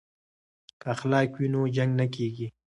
که اخلاق وي نو جنګ نه کیږي.